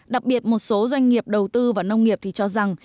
đặc biệt một số doanh nghiệp đầu tư vào nông nghiệp thì cho rằng